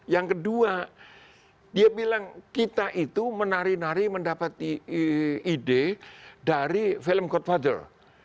yang kedua dia bilang kita itu menari nari mendapatkan ide dari film godfather